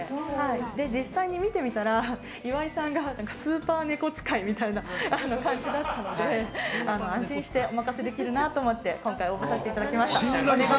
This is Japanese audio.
実際に見てみたら岩井さんが、スーパーネコ使いみたいな感じだったので安心してお任せできるなと思って今回、応募させていただきました。